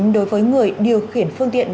đối với người điều khiển phương tiện